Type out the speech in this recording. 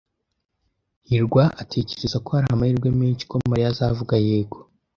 hirwa atekereza ko hari amahirwe menshi ko Mariya azavuga yego.